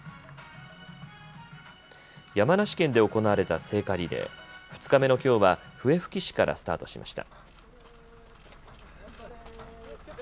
山梨県で行われた聖火リレー、２日目のきょうは笛吹市からスタートしました。